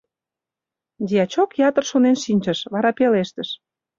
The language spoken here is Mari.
Дьячок ятыр шонен шинчыш, вара пелештыш: